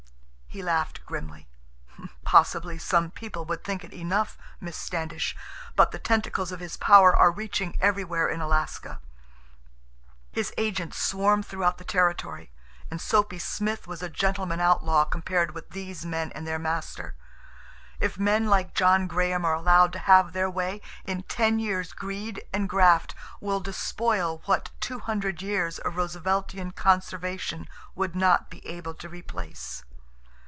He laughed grimly. "Possibly some people would think it enough, Miss Standish. But the tentacles of his power are reaching everywhere in Alaska. His agents swarm throughout the territory, and Soapy Smith was a gentleman outlaw compared with these men and their master. If men like John Graham are allowed to have their way, in ten years greed and graft will despoil what two hundred years of Rooseveltian conservation would not be able to replace."